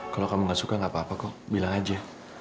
kalau kamu gak suka gak apa apa kok bilang aja